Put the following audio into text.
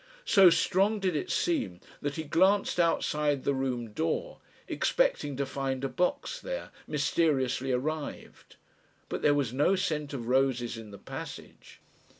So strong did it seem that he glanced outside the room door, expecting to find a box there, mysteriously arrived. But there was no scent of roses in the passage.